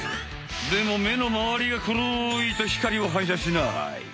でも目のまわりが黒いと光を反射しない。